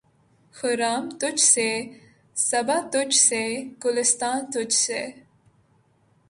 خرام تجھ سے‘ صبا تجھ سے‘ گلستاں تجھ سے